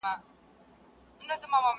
خلکو مړي ښخول په هدیرو کي.!